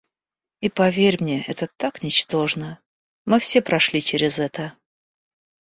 И поверь мне, это так ничтожно... Мы все прошли через это.